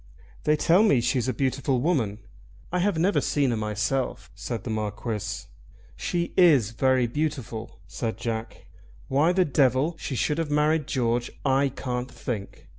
"They tell me she's a beautiful woman. I have never seen her myself," said the Marquis. "She is very beautiful," said Jack. "Why the devil she should have married George, I can't think.